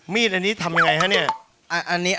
มีดอันนี้ทำยังไงฮะเนี่ย